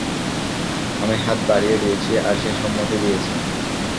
আমি হাত বাড়িয়ে দিয়েছি আর সে সম্মতি দিয়েছে।